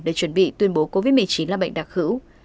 để chuẩn bị tuyên bố covid một mươi chín là bệnh đặc hữu